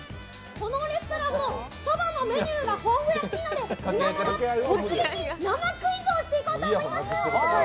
このレストランもそばのメニューが豊富らしいので、今から突撃生クイズをしていこうと思います。